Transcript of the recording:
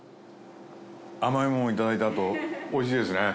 甘いものをいただいたあと美味しいですね。